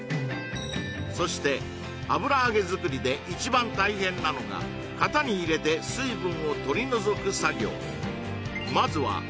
そして油揚げ作りで一番大変なのが型に入れて水分を取り除く作業